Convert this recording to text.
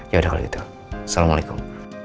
yaudah kalau gitu assalamualaikum